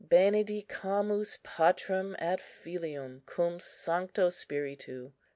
Benedicamus Patrem et Filium cum Sancto Spiritu.